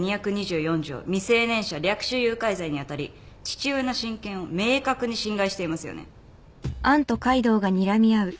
未成年者略取誘拐罪に当たり父親の親権を明確に侵害していますよね。